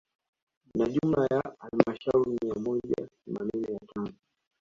Na jumla ya halmashauri mia moja themanini na tano